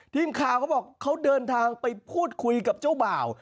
ทีมข่าวเขาบอกเขาเดินทางไปพูดคุยกับเจ้าบ่าว